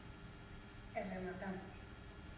E rematamos.